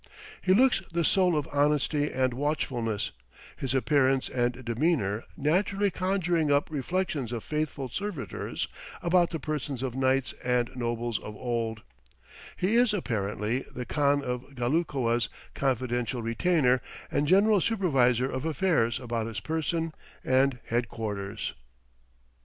He looks the soul of honesty and watchfullness, his appearance and demeanor naturally conjuring up reflections of faithful servitors about the persons of knights and nobles of old; he is apparently the Khan of Ghalakua's confidential retainer and general supervisor of affairs about his person and headquarters.